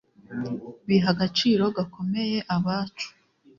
Biha agaciro gakomeye abacu